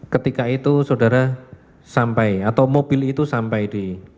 ketika itu saudara sampai atau mobil itu sampai di